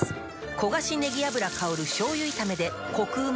焦がしねぎ油香る醤油炒めでコクうま